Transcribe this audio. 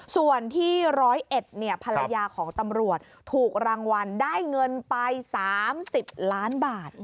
ส่วนที่๑๐๑ภรรยาของตำรวจถูกรางวัลได้เงินไป๓๐ล้านบาท